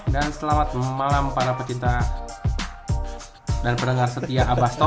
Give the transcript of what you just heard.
dan selamat malam para pecinta dan pendengar setia abastok